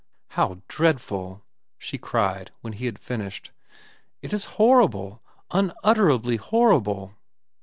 "How dreadful!" she cried, when he had finished. "It is horrible, unutterably horrible!"